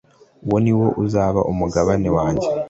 uwo ni wo uzaba umugabane wanjye